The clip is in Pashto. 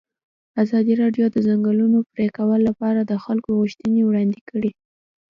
ازادي راډیو د د ځنګلونو پرېکول لپاره د خلکو غوښتنې وړاندې کړي.